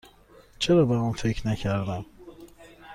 چرا به آن فکر نکردم؟